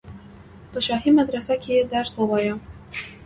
په شاهي مدرسه کې یې درس ووایه.